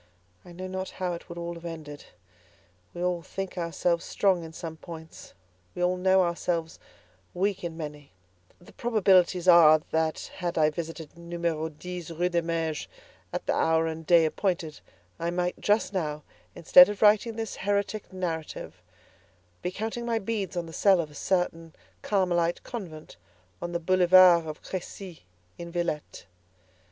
I know not how it would all have ended. We all think ourselves strong in some points; we all know ourselves weak in many; the probabilities are that had I visited Numero 10, Rue des Mages, at the hour and day appointed, I might just now, instead of writing this heretic narrative, be counting my beads in the cell of a certain Carmelite convent on the Boulevard of Crécy, in Villette.